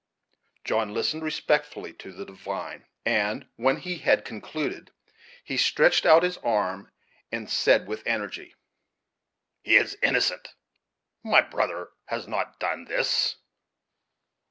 John listened respectfully to the divine, and, when he had concluded, he stretched out his arm, and said with energy: "He is innocent. My brother has not done this."